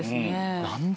何だ？